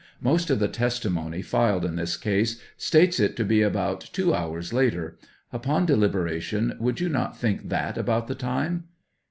Most of the testimony filed in this case states it to be about two hours later ; upon deliberation would not you think that about the time